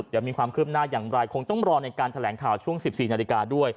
เดี๋ยวมีความคืบหน้าอย่างไรคงต้องรอในการแถลงข่าวช่วง๑๔นาฬิกาด้วย